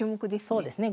そうですね。